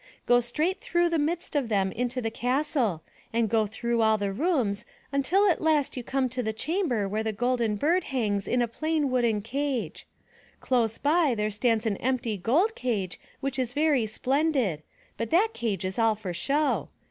Go straight through the midst of them into the castle, and go through all the rooms till at last you will come to a chamber where the Golden Bird hangs in a plain wooden cage. Close by, there stands an empty gold cage which is very splendid. But that cage is all for show.